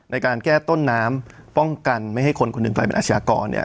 ในการแก้ต้นน้ำป้องกันไม่ให้คนคนหนึ่งกลายเป็นอาชญากรเนี่ย